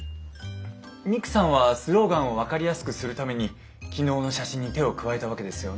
ミクさんはスローガンを分かりやすくするために昨日の写真に手を加えたわけですよね？